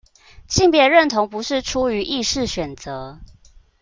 性別認同不是出於意識選擇